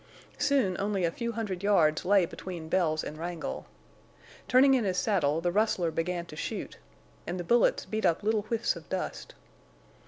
Soon only a few hundred yards lay between Bells and Wrangle. Turning in his saddle, the rustler began to shoot, and the bullets beat up little whiffs of dust.